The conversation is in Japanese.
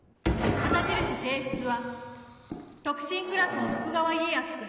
旗印提出は特進クラスの徳川家康君。